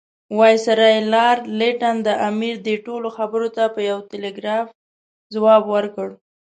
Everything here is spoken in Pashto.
وایسرا لارډ لیټن د امیر دې ټولو خبرو ته په یو ټلګراف ځواب ورکړ.